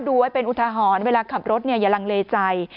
ดูไว้เป็นอุทหรณ์เวลาขับรถเนี่ยอย่าลังเลใจ